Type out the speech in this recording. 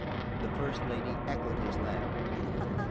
The first lady echoed his laugh.